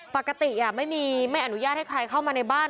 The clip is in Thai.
ปกติไม่อนุญาตให้ใครเข้ามาในบ้าน